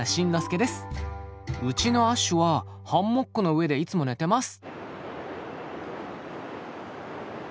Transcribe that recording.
うちのアッシュはハンモックの上でいつも寝てます。